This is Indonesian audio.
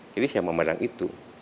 jadi saya memandang itu